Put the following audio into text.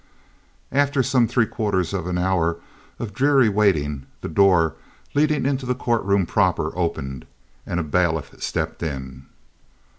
After some three quarters of an hour of dreary waiting the door leading into the courtroom proper opened and a bailiff stepped in.